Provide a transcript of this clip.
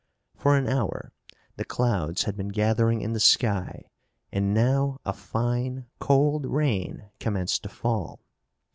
For an hour the clouds had been gathering in the sky and now a fine, cold rain commenced to fall.